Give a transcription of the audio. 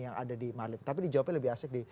yang ada di marlim tapi dijawabnya lebih asik di